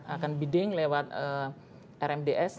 akan bidding lewat rmds